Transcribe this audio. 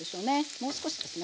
もう少しですね